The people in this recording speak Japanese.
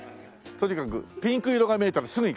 とにかくピンク色が見えたらすぐ行きましょう。